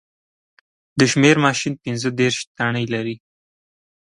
د شمېر ماشین پینځه دېرش تڼۍ لري